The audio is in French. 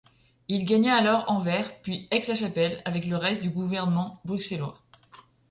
Il gagna alors Anvers, puis Aix-la-Chapelle avec le reste du gouvernement bruxellois.